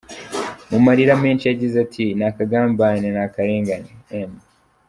Mu marira menshi yagize ati “Ni akagambane, ni akarengane M.